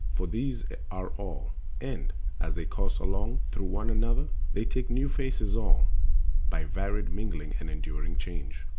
For these are all, and, as they course along Through one another, they take new faces all, By varied mingling and enduring change.